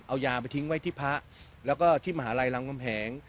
เอายาไปทิ้งไว้ที่พระแล้วก็ที่มหาลัยรามคำแหง